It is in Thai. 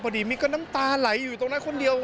มิกก็น้ำตาไหลอยู่ตรงนั้นคนเดียว